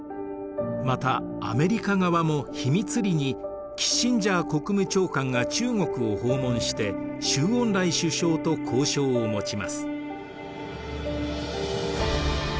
またアメリカ側も秘密裏にキッシンジャー国務長官が中国を訪問して周恩来首相と交渉を持ちます。